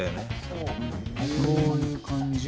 こういう感じ？